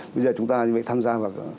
bây giờ chúng ta phải tham gia vào